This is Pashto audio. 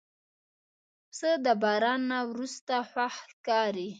پسه د باران نه وروسته خوښ ښکاري.